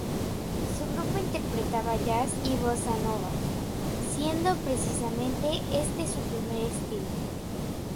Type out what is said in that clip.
Su grupo interpretaba jazz y bossa-nova, siendo precisamente este su primer estilo.